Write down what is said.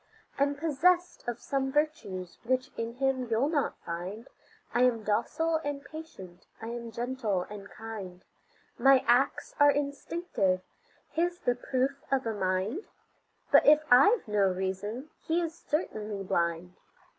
I'm possessed of some virtues which in him you'll not find, I am docile and patient, I am gentle and kind; My acts are instinctive; his the proof of a mind; But if I've no reason, his is certainly blind.